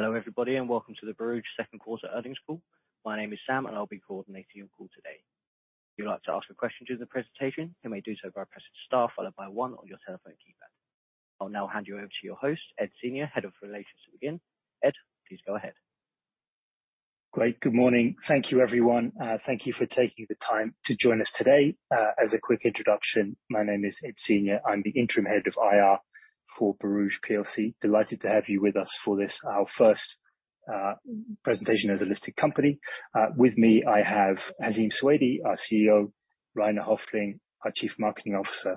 Hello everybody, and welcome to the Borouge second quarter earnings call. My name is Sam, and I'll be coordinating your call today. If you'd like to ask a question during the presentation, you may do so by pressing star followed by one on your telephone keypad. I'll now hand you over to your host, Ed Senior, Head of Investor Relations. Ed, please go ahead. Great. Good morning. Thank you, everyone. Thank you for taking the time to join us today. As a quick introduction, my name is Ed Senior. I'm the interim head of IR for Borouge Plc. Delighted to have you with us for this, our first, presentation as a listed company. With me, I have Hazeem Al Suwaidi, our CEO, Rainer Hoefling, our Chief Marketing Officer,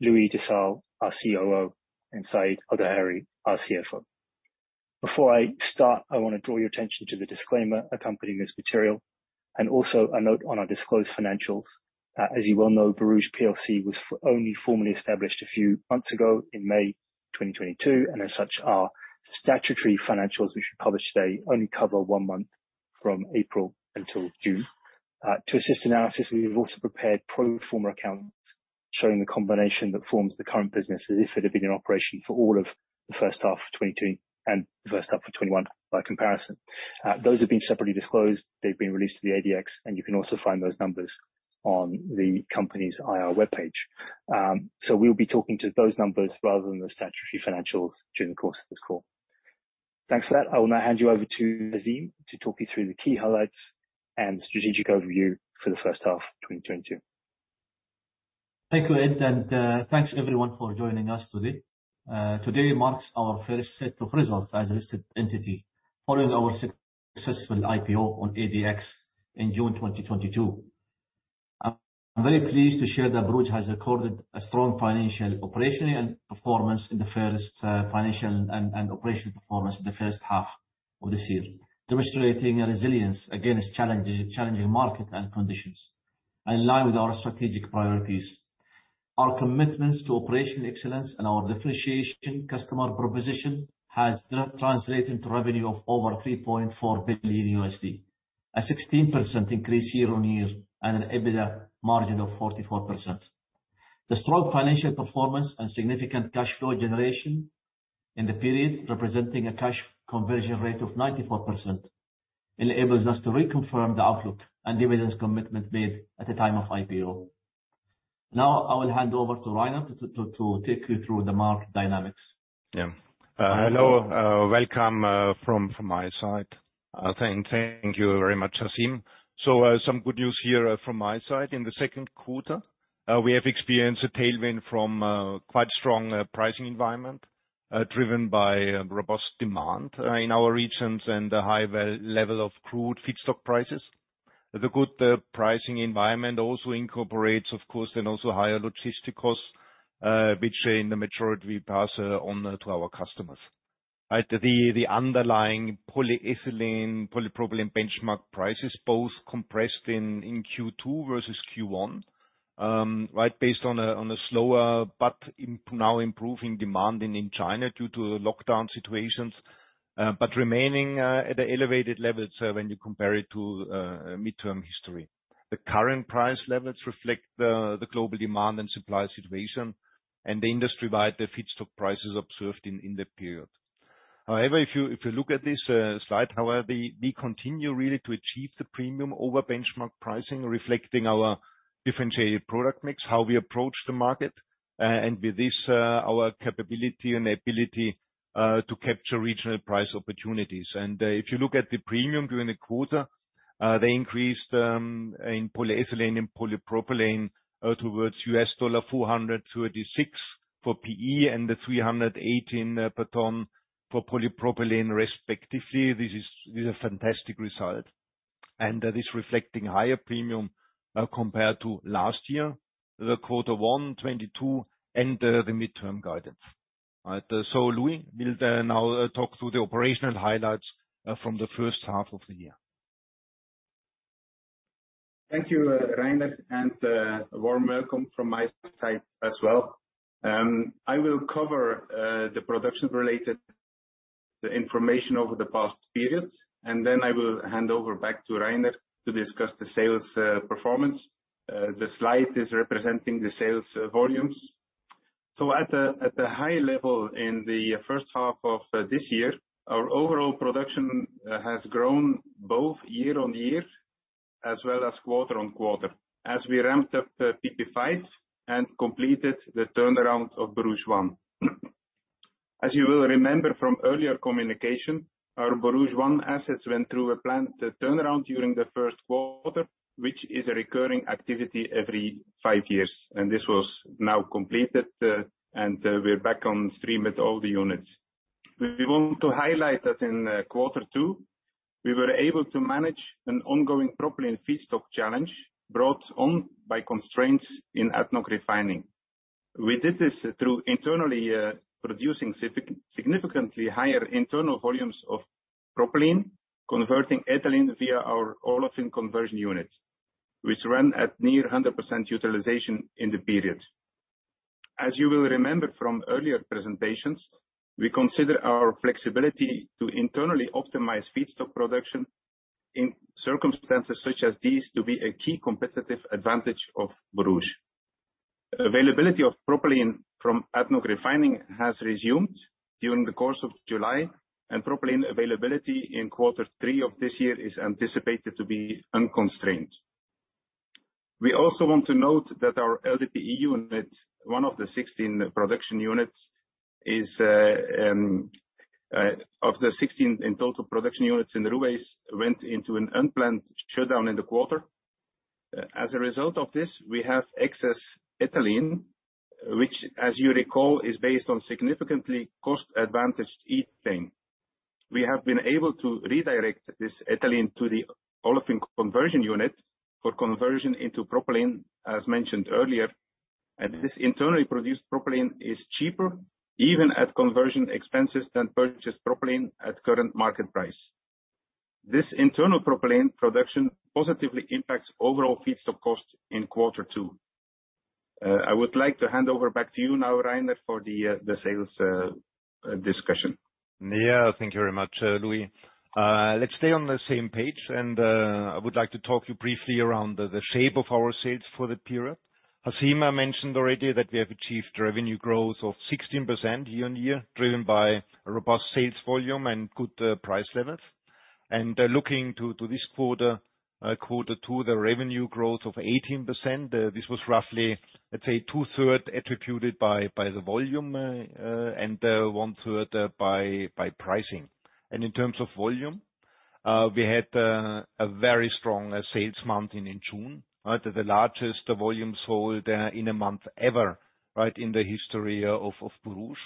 Louis Desal, our COO, and Saeed Al Dhaheri, our CFO. Before I start, I wanna draw your attention to the disclaimer accompanying this material and also a note on our disclosed financials. As you well know, Borouge Plc was only formally established a few months ago in May 2022, and as such, our statutory financials which we publish today only cover one month from April until June. To assist analysis, we have also prepared pro forma accounts showing the combination that forms the current business as if it had been in operation for all of the first half of 2020 and the first half of 2021 by comparison. Those have been separately disclosed. They've been released to the ADX, and you can also find those numbers on the company's IR webpage. So we'll be talking to those numbers rather than the statutory financials during the course of this call. Thanks for that. I will now hand you over to Hazeem to talk you through the key highlights and strategic overview for the first half of 2022. Thank you, Ed, and thanks everyone for joining us today. Today marks our first set of results as a listed entity following our successful IPO on ADX in June 2022. I'm very pleased to share that Borouge has recorded a strong financial and operational performance in the first half of this year, demonstrating a resilience against challenging market conditions in line with our strategic priorities. Our commitments to operational excellence and our differentiation customer proposition has translated into revenue of over $3.4 billion, a 16% increase year-on-year and an EBITDA margin of 44%. The strong financial performance and significant cash flow generation in the period, representing a cash conversion rate of 94%, enables us to reconfirm the outlook and dividends commitment made at the time of IPO. Now I will hand over to Rainer to take you through the market dynamics. Yeah. Hello. Welcome from my side. Thank you very much, Hazeem. Some good news here from my side. In the second quarter, we have experienced a tailwind from quite strong pricing environment driven by robust demand in our regions and the high level of crude feedstock prices. The good pricing environment also incorporates, of course, and also higher logistic costs, which in the majority pass on to our customers. Right. The underlying polyethylene, polypropylene benchmark prices both compressed in Q2 versus Q1, right. Based on a slower but now improving demand in China due to lockdown situations, but remaining at the elevated levels when you compare it to mid-term history. The current price levels reflect the global demand and supply situation and the industry-wide feedstock prices observed in the period. However, if you look at this slide, we continue really to achieve the premium over benchmark pricing, reflecting our differentiated product mix, how we approach the market, and with this, our capability and ability to capture regional price opportunities. If you look at the premium during the quarter, they increased in polyethylene and polypropylene towards $466 for PE and $318 per ton for polypropylene respectively. This is a fantastic result. That is reflecting higher premium compared to last year, quarter 1 2022 and the mid-term guidance. Louis will now talk through the operational highlights from the first half of the year. Thank you, Rainer, and a warm welcome from my side as well. I will cover the production-related information over the past period, and then I will hand over back to Rainer to discuss the sales performance. The slide is representing the sales volumes. At the high level in the first half of this year, our overall production has grown both year-on-year as well as quarter-on-quarter as we ramped up PP5 and completed the turnaround of Borouge 1. As you will remember from earlier communication, our Borouge 1 assets went through a planned turnaround during the first quarter, which is a recurring activity every five years. This was now completed, and we're back on stream with all the units. We want to highlight that in quarter two, we were able to manage an ongoing propylene feedstock challenge brought on by constraints in ADNOC Refining. We did this through internally producing significantly higher internal volumes of propylene, converting ethylene via our Olefin Conversion Unit, which ran at near 100% utilization in the period. As you will remember from earlier presentations, we consider our flexibility to internally optimize feedstock production in circumstances such as these to be a key competitive advantage of Borouge. Availability of propylene from ADNOC Refining has resumed during the course of July, and propylene availability in quarter three of this year is anticipated to be unconstrained. We also want to note that our LDPE unit, one of the 16 production units in Ruwais, went into an unplanned shutdown in the quarter. As a result of this, we have excess ethylene, which as you recall, is based on significantly cost-advantaged ethane. We have been able to redirect this ethylene to the olefin conversion unit for conversion into propylene, as mentioned earlier. This internally produced propylene is cheaper even at conversion expenses than purchased propylene at current market price. This internal propylene production positively impacts overall feedstock costs in quarter two. I would like to hand over back to you now, Rainer, for the sales discussion. Yeah. Thank you very much, Louis. Let's stay on the same page and I would like to talk to you briefly around the shape of our sales for the period. Hazeem mentioned already that we have achieved revenue growth of 16% year-on-year, driven by robust sales volume and good price levels. Looking to this quarter two, the revenue growth of 18%, this was roughly, let's say, two-thirds attributed by the volume and one-third by pricing. In terms of volume, we had a very strong sales month in June, right? The largest volume sold in a month ever, right? In the history of Borouge.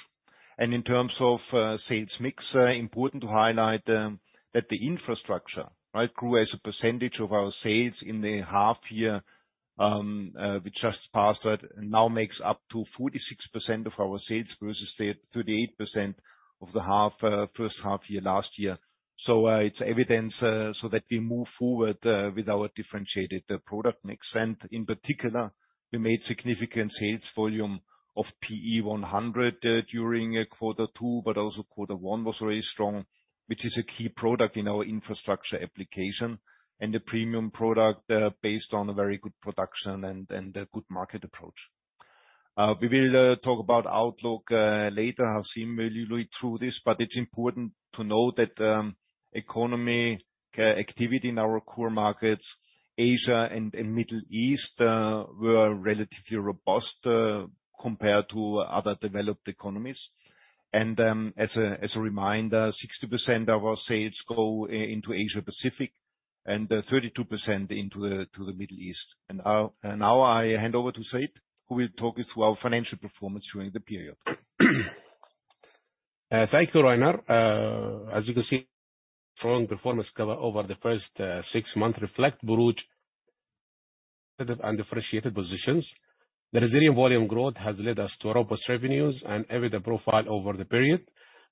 In terms of sales mix, important to highlight that the infrastructure, right, grew as a percentage of our sales in the half year we just passed. That now makes up 46% of our sales versus 38% of the first half year last year. It's evidence that we move forward with our differentiated product mix. In particular, we made significant sales volume of PE100 during quarter two, but also quarter one was very strong, which is a key product in our infrastructure application and a premium product based on a very good production and a good market approach. We will talk about outlook later. Hazeem will lead through this, but it's important to note that economic activity in our core markets, Asia and Middle East, were relatively robust compared to other developed economies. As a reminder, 60% of our sales go into Asia Pacific and 32% into the Middle East. Now I hand over to Saeed, who will talk you through our financial performance during the period. Thank you, Rainer. As you can see, strong performance over the first six months reflect Borouge and differentiated positions. The resilient volume growth has led us to robust revenues and EBITDA profile over the period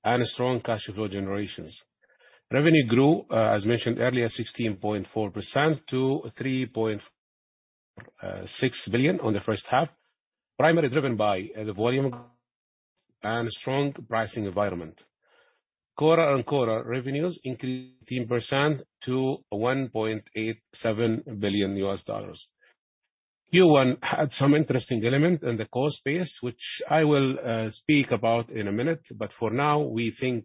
and strong cash flow generations. Revenue grew, as mentioned earlier, 16.4% to $3.6 billion on the first half, primarily driven by the volume and strong pricing environment. Quarter-on-quarter revenues increased 18% to $1.87 billion. Q1 had some interesting elements in the cost base, which I will speak about in a minute, but for now, we think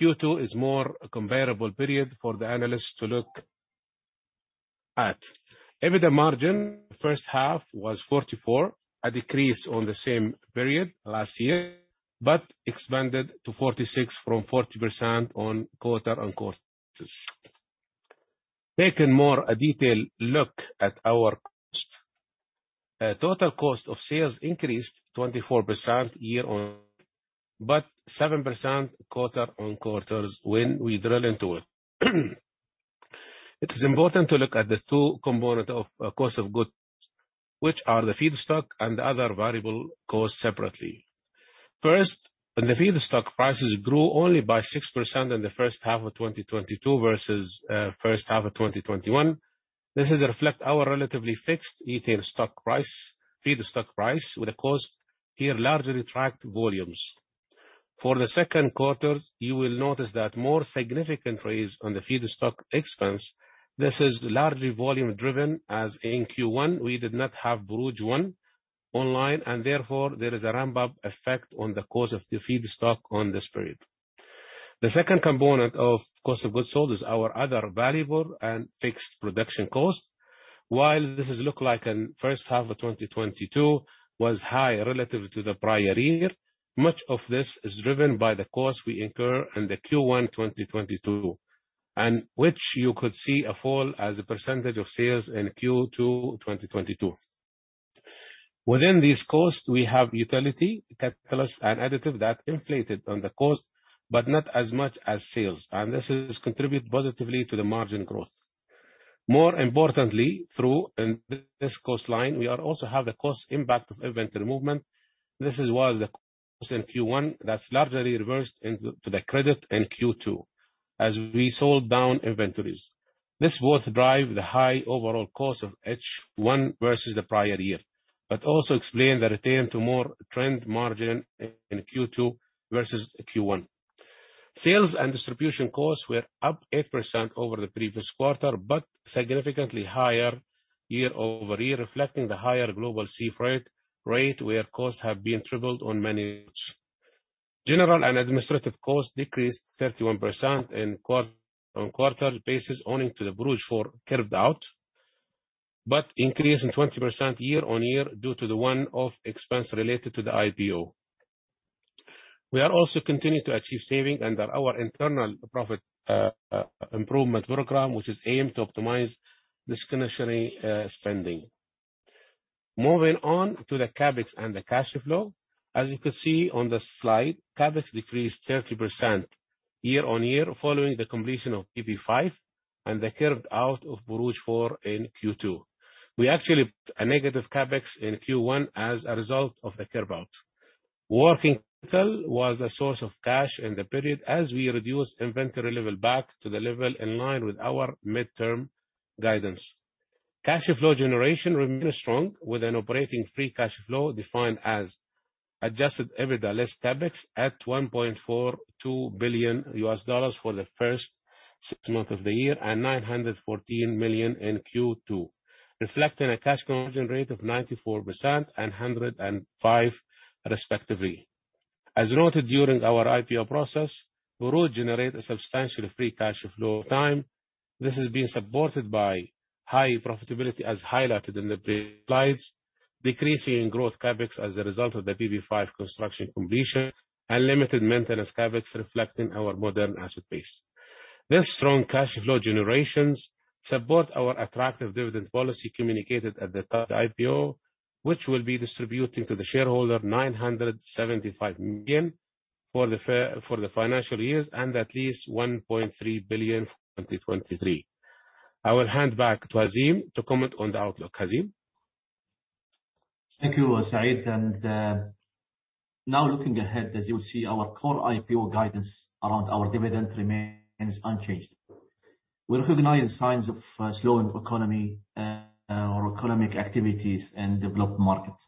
Q2 is more a comparable period for the analysts to look at. EBITDA margin first half was 44%, a decrease on the same period last year, but expanded to 46% from 40% on quarter-on-quarters. Taking a more detailed look at our costs. Total cost of sales increased 24% year-on-year but 7% quarter-on-quarter. When we drill into it is important to look at the two components of cost of goods, which are the feedstock and other variable costs, separately. First, when the feedstock prices grew only by 6% in the first half of 2022 versus first half of 2021, this reflects our relatively fixed ethane feedstock price, with costs here largely tracking volumes. For the second quarter, you will notice a more significant rise in the feedstock expense. This is largely volume driven, as in Q1 we did not have Borouge 1 online and therefore there is a ramp-up effect on the cost of the feedstock in this period. The second component of cost of goods sold is our other variable and fixed production cost. While this looks like in first half of 2022 was high relative to the prior year, much of this is driven by the cost we incur in the Q1 2022, and which you could see a fall as a percentage of sales in Q2 2022. Within these costs, we have utility, catalyst, and additive that inflated the cost, but not as much as sales. This contributes positively to the margin growth. More importantly, in this cost line, we also have the cost impact of inventory movement. This was the cost in Q1 that's largely reversed into the credit in Q2 as we sold down inventories. This both drive the high overall cost of H1 versus the prior year, but also explain the return to more trend margin in Q2 versus Q1. Sales and distribution costs were up 8% over the previous quarter, but significantly higher year-over-year, reflecting the higher global sea freight rate where costs have been tripled on many. General and administrative costs decreased 31% on a quarter-on-quarter basis owing to the Borouge 4 carve-out, but increased 20% year-on-year due to the one-off expense related to the IPO. We are also continuing to achieve savings under our internal profit improvement program, which is aimed to optimize discretionary spending. Moving on to the CapEx and the cash flow. As you can see on the slide, CapEx decreased 30% year-on-year following the completion of PP5 and the carve-out of Borouge 4 in Q2. We actually had a negative CapEx in Q1 as a result of the carve-out. Working capital was a source of cash in the period as we reduced inventory level back to the level in line with our mid-term guidance. Cash flow generation remained strong with an operating free cash flow defined as adjusted EBITDA less CapEx at $1.42 billion for the first six months of the year and $914 million in Q2, reflecting a cash conversion rate of 94% and 105% respectively. As noted during our IPO process, Borouge generate a substantial free cash flow time. This is being supported by high profitability as highlighted in the slides, decreasing in growth CapEx as a result of the PP5 construction completion and limited maintenance CapEx reflecting our modern asset base. This strong cash flow generations support our attractive dividend policy communicated at the time of the IPO, which will be distributing to the shareholder $975 million for the financial years and at least $1.3 billion for 2023. I will hand back to Hazeem to comment on the outlook. Hazeem. Thank you, Saeed. Now looking ahead, as you'll see, our core IPO guidance around our dividend remains unchanged. We recognize the signs of a slowing economy or economic activities in developed markets.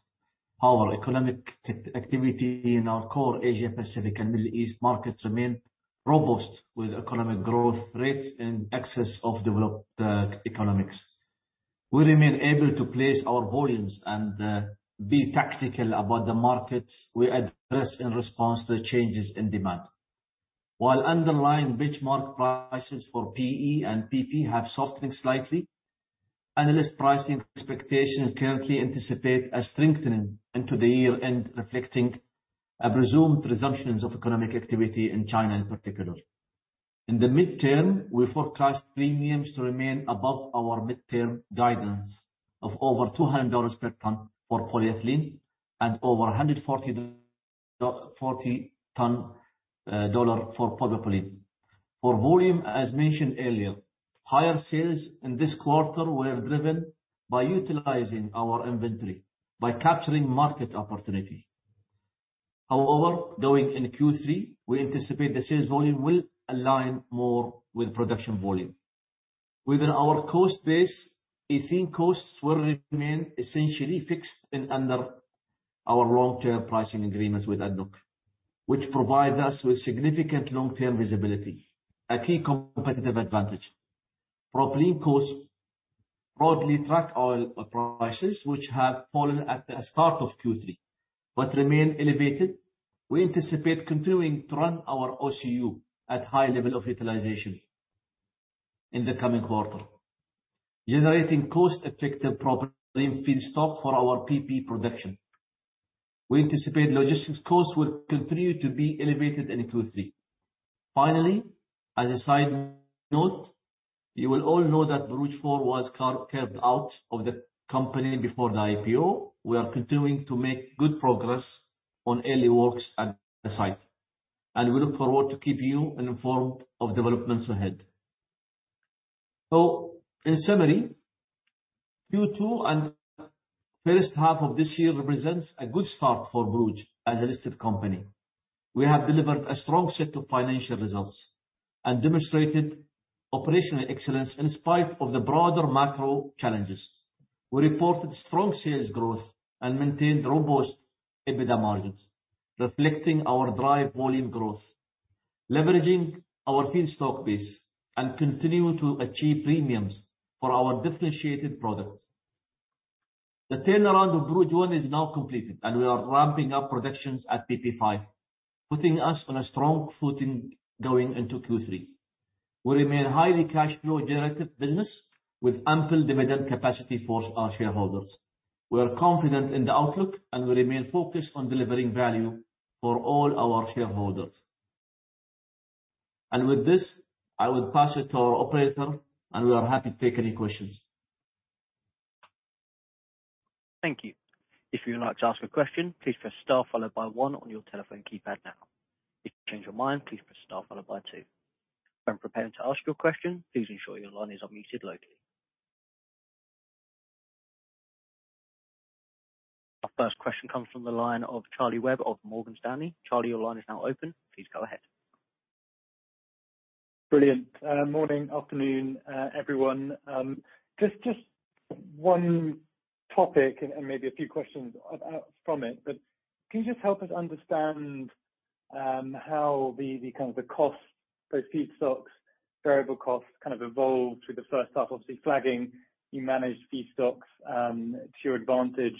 Our economic activity in our core Asia Pacific and Middle East markets remains robust with economic growth rates in excess of developed economies. We remain able to place our volumes and be tactical about the markets we address in response to changes in demand. While underlying benchmark prices for PE and PP have softened slightly, analyst pricing expectations currently anticipate a strengthening into the year end, reflecting a presumed resumption of economic activity in China in particular. In the mid-term, we forecast premiums to remain above our mid-term guidance of over $200 per ton for polyethylene and over $140 per ton for polypropylene. For volume, as mentioned earlier, higher sales in this quarter were driven by utilizing our inventory, by capturing market opportunities. However, going in Q3, we anticipate the sales volume will align more with production volume. Within our cost base, ethane costs will remain essentially fixed and under our long-term pricing agreements with ADNOC, which provides us with significant long-term visibility, a key competitive advantage. Propylene costs broadly track oil prices, which have fallen at the start of Q3, but remain elevated. We anticipate continuing to run our OCU at high level of utilization in the coming quarter, generating cost-effective propylene feedstock for our PP production. We anticipate logistics costs will continue to be elevated in Q3. Finally, as a side note, you will all know that Borouge 4 was carved out of the company before the IPO. We are continuing to make good progress on early works at the site, and we look forward to keep you informed of developments ahead. In summary, Q2 and first half of this year represents a good start for Borouge as a listed company. We have delivered a strong set of financial results and demonstrated operational excellence in spite of the broader macro challenges. We reported strong sales growth and maintained robust EBITDA margins, reflecting our driving volume growth, leveraging our feedstock base and continuing to achieve premiums for our differentiated products. The turnaround of Borouge 1 is now completed, and we are ramping up productions at PP5, putting us on a strong footing going into Q3. We remain highly cash flow generative business with ample dividend capacity for our shareholders. We are confident in the outlook and we remain focused on delivering value for all our shareholders. With this, I will pass it to our operator, and we are happy to take any questions. Thank you. If you would like to ask a question, please press star followed by one on your telephone keypad now. If you change your mind, please press star followed by two. When preparing to ask your question, please ensure your line is unmuted locally. Our first question comes from the line of Charlie Webb of Morgan Stanley. Charlie, your line is now open. Please go ahead. Brilliant. Morning, afternoon, everyone. Just one topic and maybe a few questions about it. Can you just help us understand how the kind of costs, those feedstocks, variable costs kind of evolved through the first half? Obviously you managed feedstocks to your advantage,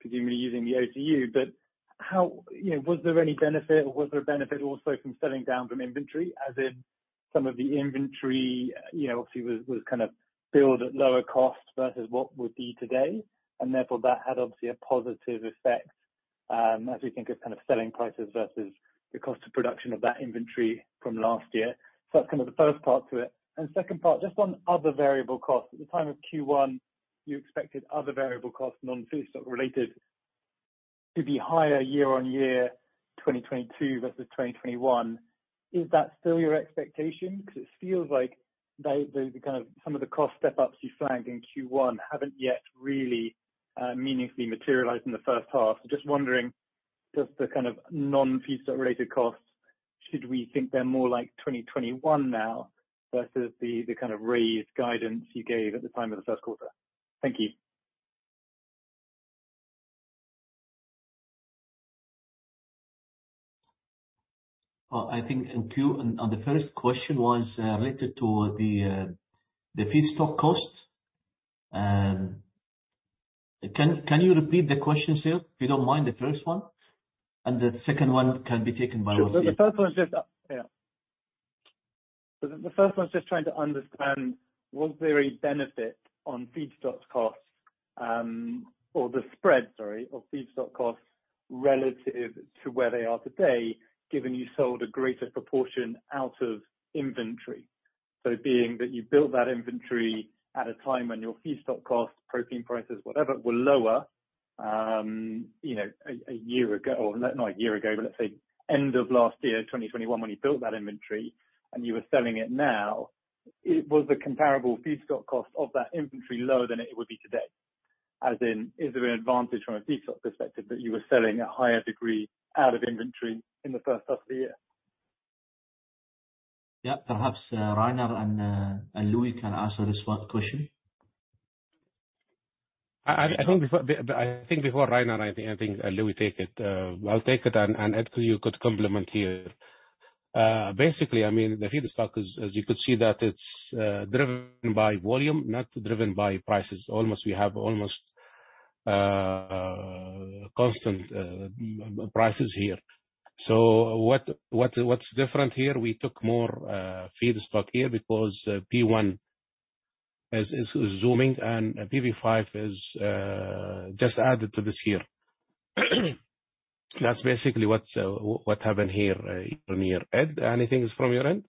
presumably using the OCU. How, you know, was there any benefit, or was there a benefit also from selling down from inventory as in some of the inventory, you know, obviously was kind of built at lower cost versus what would be today, and therefore that had obviously a positive effect, as we think of kind of selling prices versus the cost of production of that inventory from last year. That's kind of the first part to it. Second part, just on other variable costs. At the time of Q1, you expected other variable costs, non-feedstock related, to be higher year-on-year, 2022 versus 2021. Is that still your expectation? Because it feels like they, the kind of some of the cost step-ups you flagged in Q1 haven't yet really, meaningfully materialized in the first half. Just wondering, just the kind of non-feedstock related costs, should we think they're more like 2021 now versus the kind of raised guidance you gave at the time of the first quarter? Thank you. Well, I think on the first question was related to the feedstock cost. Can you repeat the question, Sir, if you don't mind, the first one? The second one can be taken by The first one is just trying to understand was there a benefit on feedstock costs, or the spread, sorry, of feedstock costs relative to where they are today, given you sold a greater proportion out of inventory? Being that you built that inventory at a time when your feedstock costs, propylene prices, whatever, were lower, you know, a year ago, or not a year ago, but let's say end of last year, 2021, when you built that inventory and you were selling it now, it was the comparable feedstock cost of that inventory lower than it would be today. As in, is there an advantage from a feedstock perspective that you were selling a higher degree out of inventory in the first half of the year? Yeah. Perhaps Rainer and Louis can answer this one question. I think before Rainer, Louis take it. I'll take it and Ed, you could comment here. Basically, I mean, the feedstock is, as you could see that it's driven by volume, not driven by prices. We have almost constant prices here. What's different here, we took more feedstock here because Borouge 1 is zooming and PP5 is just added this year. That's basically what happened here from here. Ed, anything from your end?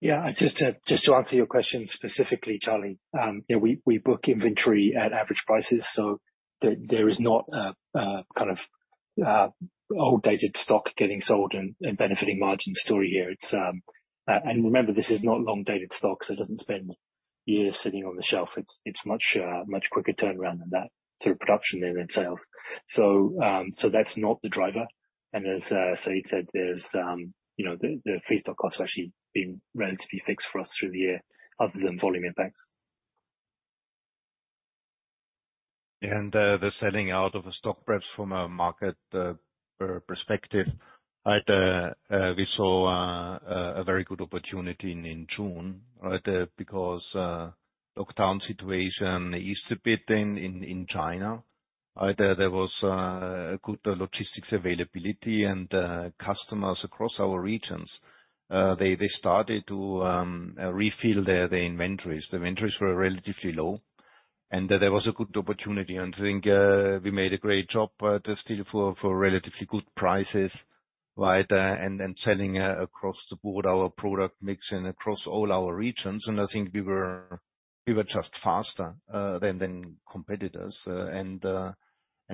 Yeah. Just to answer your question specifically, Charlie, yeah, we book inventory at average prices, so there is not a kind of old dated stock getting sold and benefiting margin story here. It's much quicker turnaround than that sort of production there than sales. That's not the driver. As Saeed said, there's you know, the feedstock costs have actually been relatively fixed for us through the year other than volume impacts. The selling out of a stock perhaps from a market perspective, right? We saw a very good opportunity in June, right? Lockdown situation eased a bit in China, right? There was good logistics availability, and customers across our regions started to refill their inventories. The inventories were relatively low and there was a good opportunity. I think we made a great job to sell for relatively good prices, right? Selling across the board our product mix and across all our regions. I think we were just faster than competitors and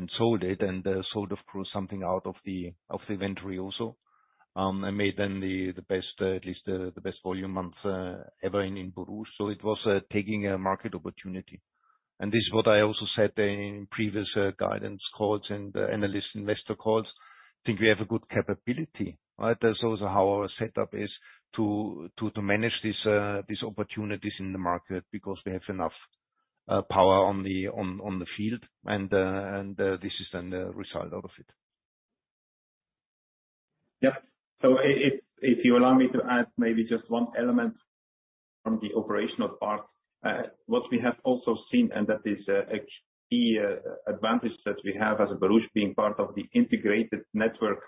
sold it. Sort of grew something out of the inventory also. Made them at least the best volume months ever in Borouge. It was taking a market opportunity. This is what I also said in previous guidance calls and analyst investor calls. I think we have a good capability, right? That's also how our setup is to manage these opportunities in the market because we have enough power on the field and this is then the result out of it. Yeah. If you allow me to add maybe just one element from the operational part. What we have also seen, and that is, a key advantage that we have as Borouge being part of the integrated network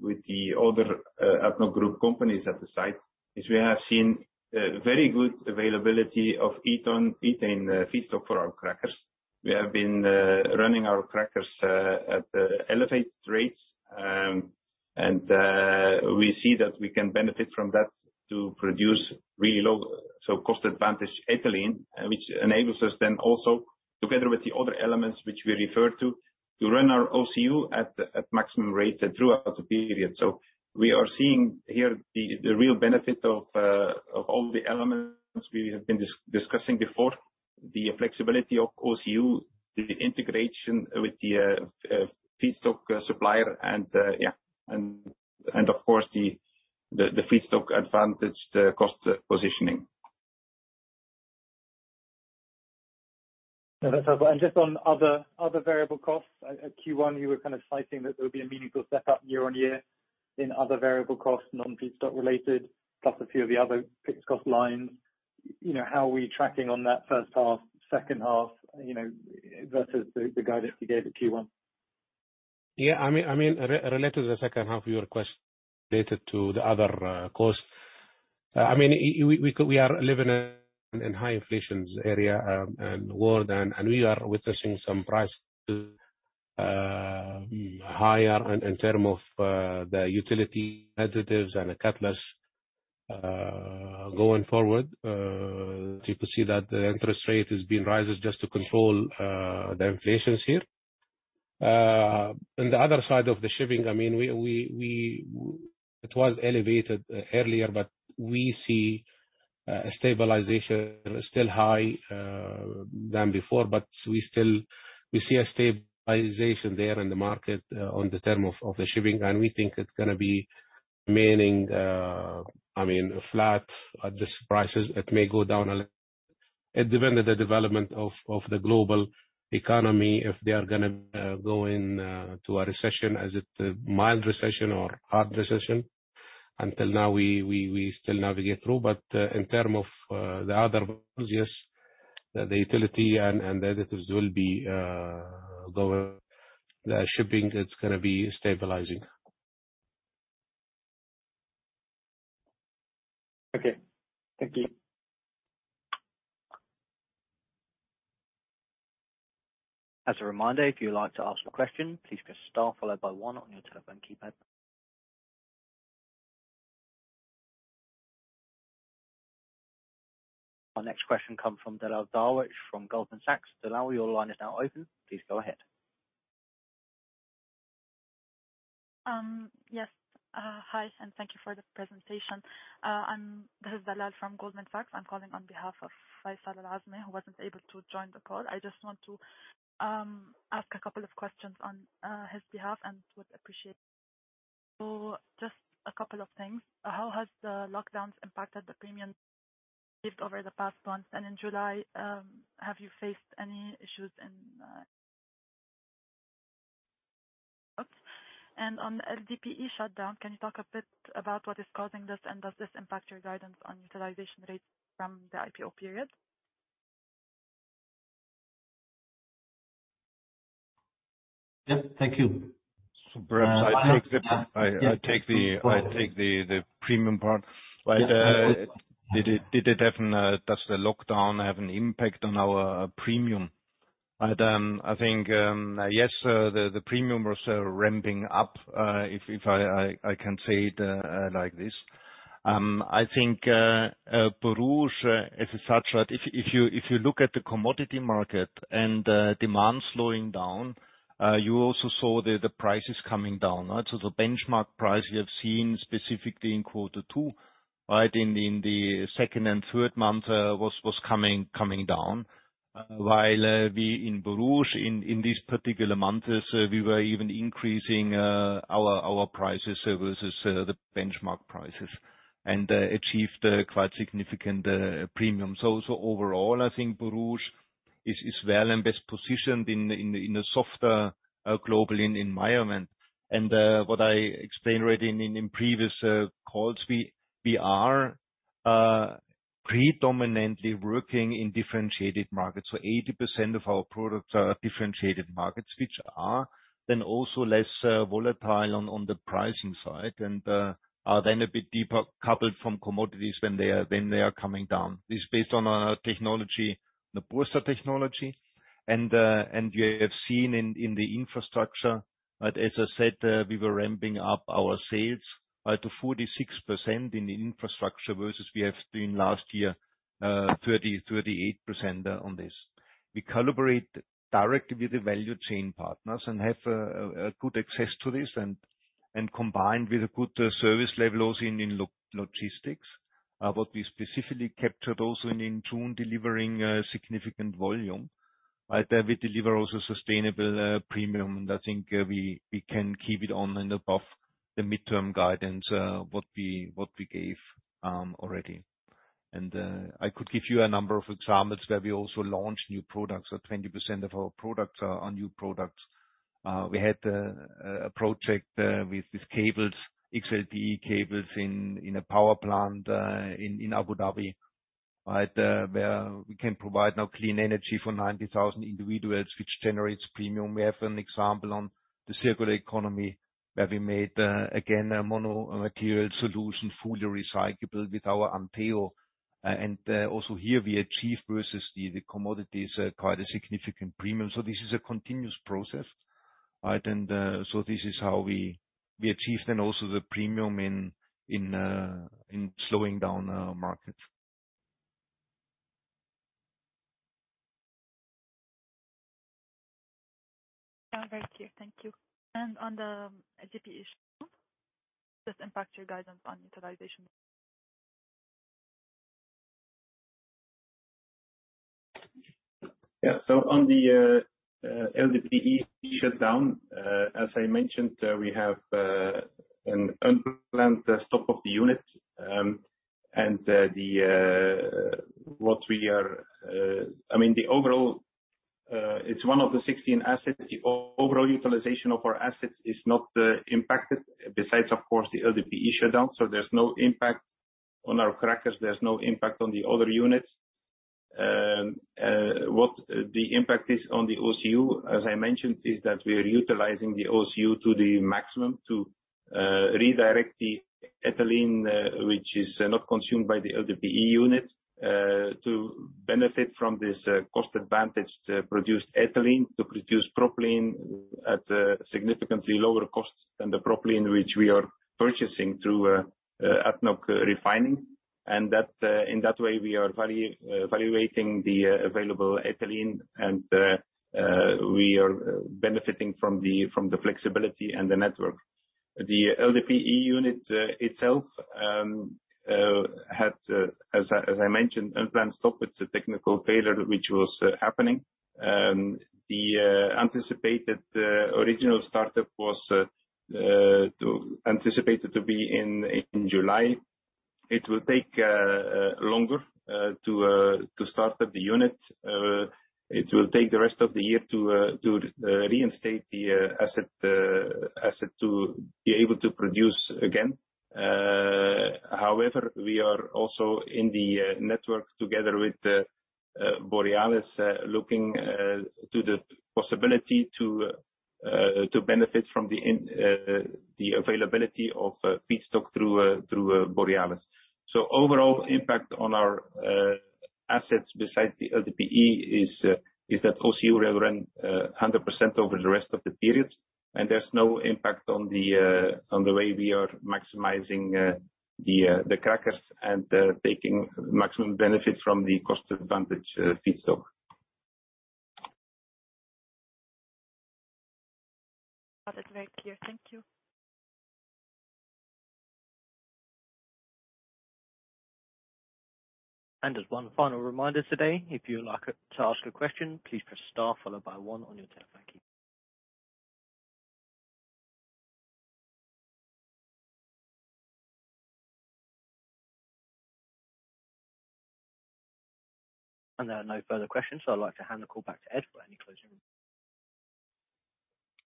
with the other ADNOC Group companies at the site, is we have seen very good availability of ethane feedstock for our crackers. We have been running our crackers at elevated rates. We see that we can benefit from that to produce really low-cost advantage ethylene. Which enables us then also, together with the other elements which we referred to run our OCU at maximum rate throughout the period. We are seeing here the real benefit of all the elements we have been discussing before. The flexibility of OCU, the integration with the feedstock supplier and of course, the feedstock advantaged cost positioning. No, that's helpful. Just on other variable costs. At Q1, you were kind of citing that there would be a meaningful step up year on year in other variable costs, non-feedstock related, plus a few of the other fixed cost lines. You know, how are we tracking on that first half, second half, you know, versus the guidance you gave at Q1? Yeah, I mean, related to the second half of your question related to the other costs. I mean, we are living in high inflation area and world, and we are witnessing some higher prices in terms of the utilities, additives and the catalysts going forward. You could see that the interest rate has been rising just to control the inflation here. On the other side of the shipping, I mean, it was elevated earlier, but we see stabilization still higher than before, but we see a stabilization there in the market on the terms of the shipping. We think it's gonna be remaining, I mean, flat at these prices. It depends on the development of the global economy, if they are gonna go into a recession, is it a mild recession or hard recession. Until now, we still navigate through. In terms of the other. Yes. The utility and the editors will be lower. The shipping, it's gonna be stabilizing. Okay. Thank you. As a reminder, if you'd like to ask a question, please press star followed by one on your telephone keypad. Our next question comes from Dalal Darwich from Goldman Sachs. Dalal, your line is now open. Please go ahead. Yes. Hi, and thank you for the presentation. This is Dalal from Goldman Sachs. I'm calling on behalf of Faisal Al Azmeh, who wasn't able to join the call. I just want to ask a couple of questions on his behalf and would appreciate. Just a couple of things. How has the lockdowns impacted the premium shipped over the past month and in July, have you faced any issues in? On LDPE shutdown, can you talk a bit about what is causing this, and does this impact your guidance on utilization rates from the IPO period? Yeah. Thank you. Perhaps I take the premium part. Did it have an impact on our premium? Does the lockdown have an impact on our premium? I think yes, the premium was ramping up, if I can say it like this. I think Borouge as such, right, if you look at the commodity market and the demand slowing down, you also saw the prices coming down, right? The benchmark price we have seen specifically in quarter two, right, in the second and third month, was coming down. While we in Borouge, in these particular months, we were even increasing our prices versus the benchmark prices and achieved a quite significant premium. Overall, I think Borouge is well and best positioned in a softer global environment. What I explained already in previous calls, we are predominantly working in differentiated markets. 80% of our products are differentiated markets, which are then also less volatile on the pricing side and are then a bit decoupled from commodities when they are coming down. This is based on our technology, the Borstar technology. You have seen in the infrastructure, right, as I said, we were ramping up our sales, right, to 46% in infrastructure versus we have been last year, 38% on this. We collaborate directly with the value chain partners and have a good access to this and combined with a good service level also in logistics. What we specifically captured also in June, delivering a significant volume, right? We deliver also sustainable premium. I think we can keep it on and above the mid-term guidance what we gave already. I could give you a number of examples where we also launched new products. 20% of our products are new products. We had a project with these cables, XLPE cables in a power plant in Abu Dhabi, right? Where we can provide now clean energy for 90,000 individuals, which generates premium. We have an example on the circular economy, where we made again a mono material solution, fully recyclable with our Anteo™. Also here we achieved versus the commodities quite a significant premium. This is a continuous process, right? This is how we achieved then also the premium in slowing down our market. Oh, very clear. Thank you. On the LDPE shutdown, does this impact your guidance on utilization? On the LDPE shutdown, as I mentioned, we have an unplanned stop of the unit. I mean the overall, it's one of the 16 assets. The overall utilization of our assets is not impacted besides of course the LDPE shutdown. There's no impact on our crackers. There's no impact on the other units. What the impact is on the OCU, as I mentioned, is that we are utilizing the OCU to the maximum to redirect the ethylene, which is not consumed by the LDPE unit, to benefit from this cost advantage to produce ethylene, to produce propylene at a significantly lower cost than the propylene which we are purchasing through ADNOC Refining. In that way we are evaluating the available ethylene and we are benefiting from the flexibility and the network. The LDPE unit itself had unplanned stop, as I mentioned. It's a technical failure which was happening. The anticipated original startup was anticipated to be in July. It will take longer to start up the unit. It will take the rest of the year to reinstate the asset to be able to produce again. However, we are also in the network together with Borealis looking to the possibility to benefit from the availability of feedstock through Borealis. Overall impact on our assets besides the LDPE is that OCU will run 100% over the rest of the period, and there's no impact on the way we are maximizing the crackers and taking maximum benefit from the cost-advantaged feedstock. Got it. Very clear. Thank you. As one final reminder today, if you would like to ask a question, please press star followed by one on your telephone keypad. There are no further questions, so I'd like to hand the call back to Ed for any closing remarks.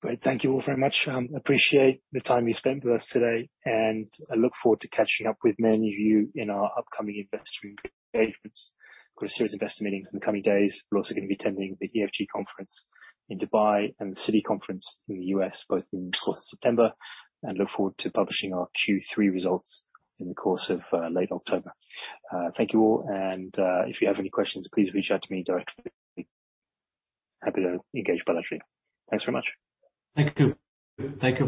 Great. Thank you all very much. Appreciate the time you spent with us today, and I look forward to catching up with many of you in our upcoming investor engagements. Of course, there's investor meetings in the coming days. We're also gonna be attending the EFG Conference in Dubai and the Citi Conference in the U.S. both in the course of September, and look forward to publishing our Q3 results in the course of late October. Thank you all, and if you have any questions, please reach out to me directly. Happy to engage bilaterally. Thanks very much.